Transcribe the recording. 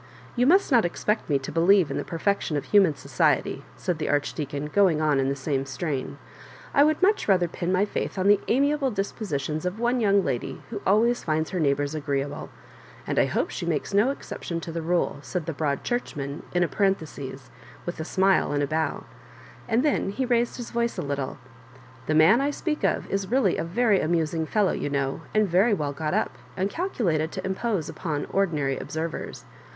^ Tou must not expect me to beHeve in the perfection of human society,'* said the Archdea con, going on in the same strain ;^ I would much rather pin my &ith to the amiable dispositions of one young lady who always finds her neighlaours agreeable ^nd I hope she makes no exception to the n^e," said the Broad Churchman in a parenthesis, with a smile and a bow — and then he raised his voice a little : "The man I speak of is really a very amusing fellow, you know, and very well got up, and (Ktlculated to impose upon ordinary observers.